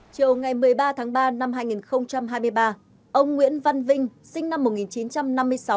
chiều ngày một mươi ba tháng ba năm hai nghìn hai mươi ba ông nguyễn văn vinh sinh năm một nghìn chín trăm năm mươi sáu